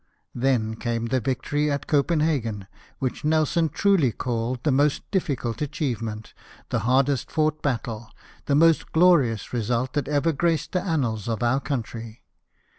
Then came the victory at Copenhagen, which Nelson truly called the most difficult achievement, the hardest fought battle, the most glorious result that ever graced the annals of our country.